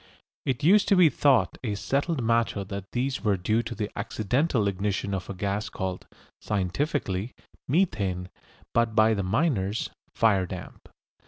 It used to be thought a settled matter that these were due to the accidental ignition of a gas called, scientifically, "methane," but by the miners "fire damp."